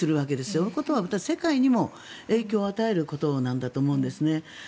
そのことは世界にも影響を与えることなんだと思うんです。